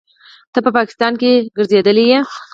ته په پاکستان کښې ګرځېدلى يې.